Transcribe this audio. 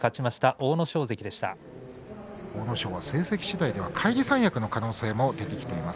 阿武咲は成績しだいでは返り三役の可能性も出てきています。